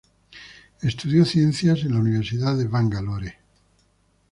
Estudió ciencias en la Universidad de Bangalore.